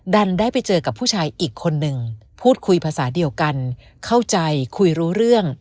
ดันได้ไปเจอกับผู้ชายอีกคนนึงพูดคุยภาษาเดียวกันเข้าใจคุยรู้เรื่อง